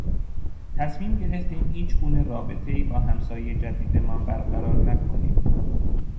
تصمیم گرفتهایم هیچگونه رابطهای با همسایهی جدیدمان برقرار نکنیم.